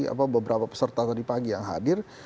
apa beberapa peserta tadi pagi yang hadir